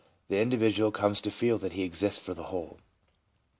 The individual comes to feel that he exists for the whole.